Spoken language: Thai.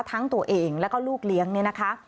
ทั้งตัวเองแล้วก็ลูกเลี้ยงเนี่ยนะคะ